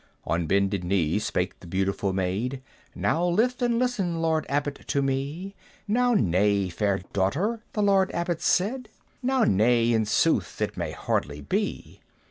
On bended knee spake the beautiful Maid; "Now lithe and listen, Lord Abbot, to me!" "Now naye, fair daughter," the Lord Abbot said, "Now naye, in sooth it may hardly be.